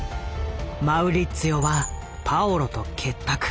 マウリッツィオはパオロと結託。